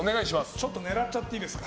ちょっと狙っちゃっていいですか。